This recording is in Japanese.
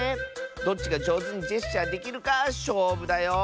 どっちがじょうずにジェスチャーできるかしょうぶだよ。